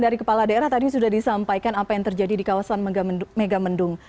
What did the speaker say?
dari kepala daerah tadi sudah disampaikan apa yang terjadi di kawasan megamendung